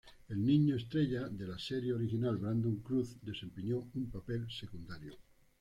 El niño estrella de la serie original, Brandon Cruz, desempeñó un papel secundario.